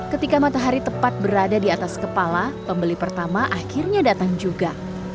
ketika matahari tepat berada di atas kepala pembeli pertama akhirnya datang juga